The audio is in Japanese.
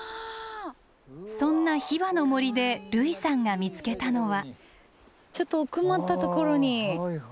そんなヒバの森で類さんが見つけたのは。